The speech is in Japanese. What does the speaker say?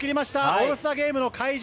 オールスターゲームの会場